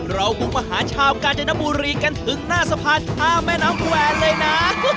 เราบุกมาหาชาวกาญจนบุรีกันถึงหน้าสะพานข้ามแม่น้ำแควร์เลยนะ